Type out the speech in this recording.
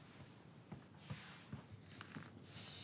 よし。